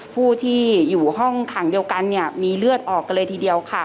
ผู้ที่อยู่ห้องขังเดียวกันเนี่ยมีเลือดออกกันเลยทีเดียวค่ะ